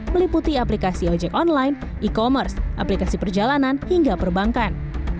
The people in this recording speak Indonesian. meliputi aplikasi ojek online e commerce aplikasi perjalanan hingga perbankan